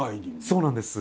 そうなんです。